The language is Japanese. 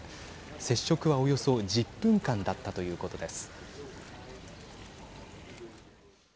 接触はおよそ１０分間だったということです。